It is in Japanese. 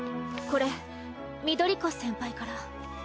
これ翠子先輩から。